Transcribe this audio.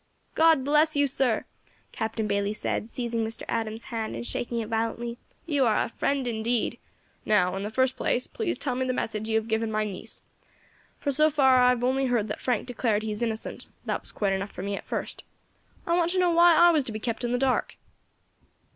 "God bless you, sir!" Captain Bayley said, seizing Mr. Adams's hand and shaking it violently, "you are a friend indeed. Now in the first place, please tell me the message you have given my niece, for so far I have only heard that Frank declared that he is innocent; that was quite enough for me at first. I want to know why I was to be kept in the dark."